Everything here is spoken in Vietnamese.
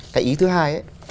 cái ý thứ hai